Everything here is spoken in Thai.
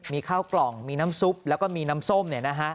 มีข้าวกล่องมีน้ำซุปแล้วก็มีน้ำส้ม